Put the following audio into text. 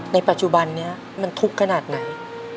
ในปัจจุบันนี้มันทุกข์ขนาดไหน